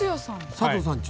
佐藤さんち。